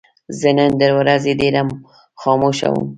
زه نن د ورځې ډېر خاموشه وم.